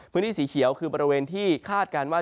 พื้นที่สีเขียวคือบริเวณที่คาดการณ์ว่า